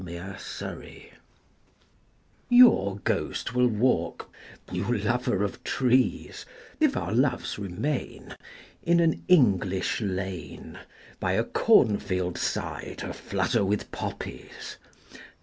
"DE GUSTIBUS " Your ghost will walk, you lover of trees, (If our loves remain) In an English lane, By a cornfield side a flutter with poppies.